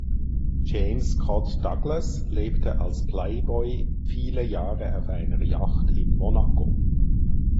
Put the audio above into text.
James Scott Douglas lebte als Playboy viele Jahre auf einer Yacht in Monaco.